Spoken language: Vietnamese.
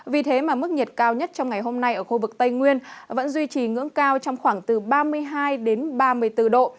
vì thế mà mức nhiệt cao nhất trong ngày hôm nay ở khu vực tây nguyên vẫn duy trì ngưỡng cao trong khoảng từ ba mươi hai ba mươi bốn độ